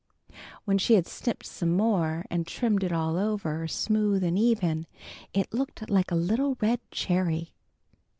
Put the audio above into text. When she had snipped some more, and trimmed it all over, smooth and even, it looked like a little red cherry.